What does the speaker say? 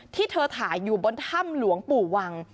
ที่เธอถ่ายอยู่บนถ้ำหลวงปู่วัง